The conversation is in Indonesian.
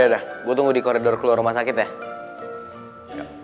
yaudah gua tunggu di koridor keluar rumah sakit ya